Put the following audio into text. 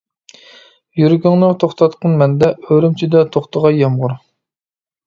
يۈرىكىڭنى توختاتقىن مەندە، ئۈرۈمچىدە توختىغاي يامغۇر.